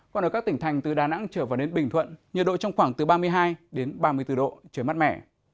còn ở các tỉnh thành từ đà nẵng trở vào đến bình thuận nhiệt độ trong khoảng từ ba mươi hai ba mươi bốn độ trời mát mẻ